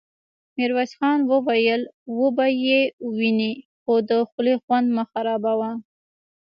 ميرويس خان وويل: وبه يې وينې، خو د خولې خوند مه خرابوه!